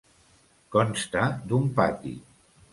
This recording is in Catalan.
Consta d'un pati.